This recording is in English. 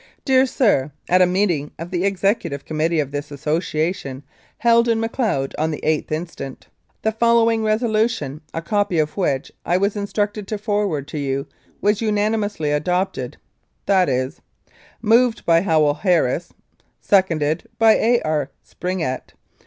"DEAR SIR, At a meeting of the Executive Com mittee of this Association, held in Macleod on the 8th instant, the following resolution, a copy of which I was instructed to forward to you, was unanimously adopted, viz. : "Moved by Howell Harris. "Seconded by A. R. Springett.